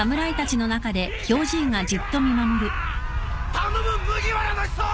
頼む麦わらの人！